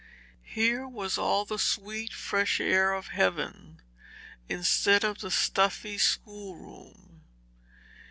Here was all the sweet fresh air of heaven, instead of the stuffy schoolroom.